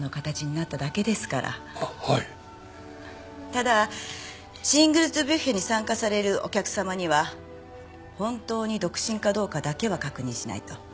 ただシングルズ・ビュッフェに参加されるお客様には本当に独身かどうかだけは確認しないと。